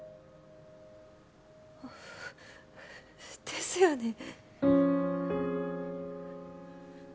ですよね